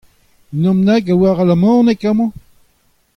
Unan bennak a oar alamaneg amañ ?